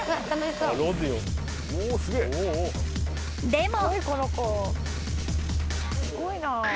［でも］